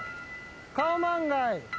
カオマンガイ。